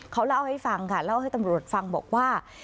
เขาเล่าให้ฟังค่ะเล่าให้ตำรวจฟังบอกว่า